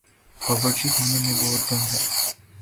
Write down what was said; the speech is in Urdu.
باورچی خانے میں بہت گند ہے